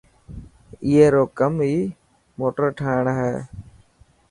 اي رو ڪم ئي موٽر ٺاهڻ هي.